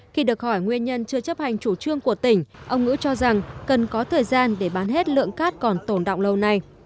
khi được hỏi nguyên nhân chưa chấp hành chủ trương của tỉnh ông ngữ cho rằng cần có thời gian để bán hết lượng cát còn tồn động lâu nay